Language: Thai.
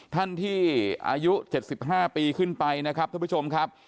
ท่านที่อายุ๗๕ปีขึ้นไปนะครับท่านผู้ชมครับ